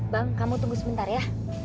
bang kamu tunggu sebentar ya